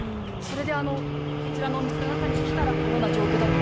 こちらのお店の中に来たら、このような状況だったと？